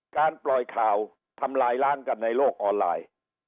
การปล่อยข่าวทำลายล้างกันในโลกออนไลน์